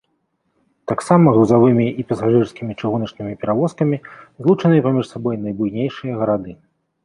Таксама грузавымі і пасажырскімі чыгуначнымі перавозкамі злучаныя паміж сабой найбуйнейшыя гарады.